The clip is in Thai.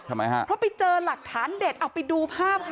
ทำไมฮะเพราะไปเจอหลักฐานเด็ดเอาไปดูภาพค่ะ